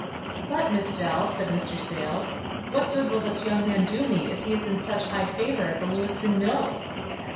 "But, Miss Dell," said Mr. Sayles, "what good will this young man do me if he is in such high favor at the Lewiston Mills?"